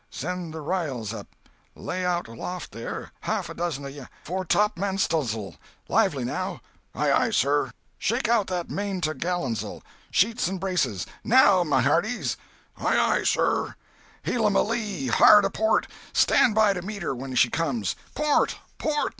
"Send the r'yals up! Lay out aloft, there, half a dozen of ye—foretopmaststuns'l! Lively, now!" "Aye aye, sir!" "Shake out that maintogalans'l! Sheets and braces! now my hearties!" "Aye aye, sir!" "Hellum a lee—hard a port! Stand by to meet her when she comes! Port, port!